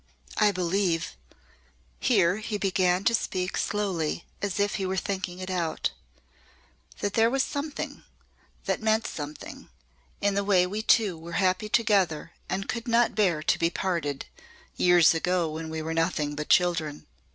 "I believe," here he began to speak slowly as if he were thinking it out, "that there was something that meant something in the way we two were happy together and could not bear to be parted years ago when we were nothing but children.